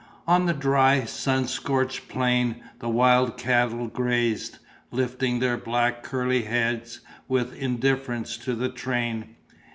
On the dry, sun scorched plain, the wild cattle grazed, lifting their black curly heads with indifference to the train.